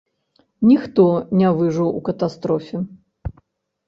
Ніхто не выжыў у катастрофе.